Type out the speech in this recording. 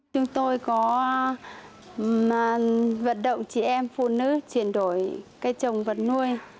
chúng tôi có vận động chị em phụ nữ chuyển đổi cây trồng vật nuôi